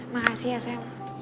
makasih ya sam